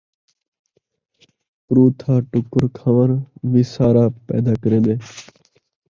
پروتھا ٹکر کھاوݨ وسارا پیدا کریندے